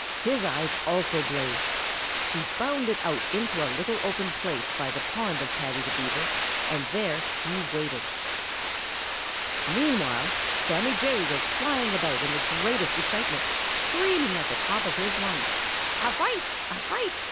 His eyes also blazed. He bounded out into a little open place by the pond of Paddy the Beaver and there he waited. Meanwhile Sammy Jay was flying about in the greatest excitement, screaming at the top of his lungs, "A fight! A fight!